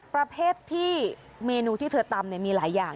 ประเภทที่เมนูที่เธอตำมีหลายอย่าง